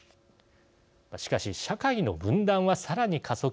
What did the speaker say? しかし社会の分断はさらに加速するでしょう。